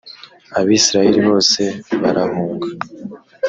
abisirayeli bose barahunga